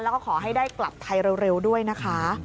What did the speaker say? แล้วก็ขอให้ได้กลับไทยเร็วด้วยนะคะ